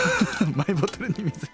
マイボトルに水。